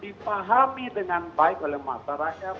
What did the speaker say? dipahami dengan baik oleh masyarakat